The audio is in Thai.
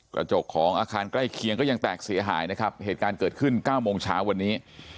กระจกของอาคารใกล้เคียงก็ยังแตกเสียหายนะครับเหตุการณ์เกิดขึ้นเก้าโมงเช้าวันนี้